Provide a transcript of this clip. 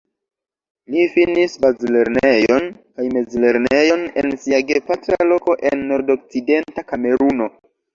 Li finis bazlernejon kaj mezlernejon en sia gepatra loko en Nordokcidenta Kameruno.